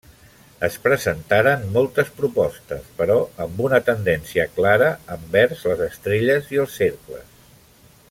Es presentaren moltes propostes, però amb una tendència clara envers les estrelles i els cercles.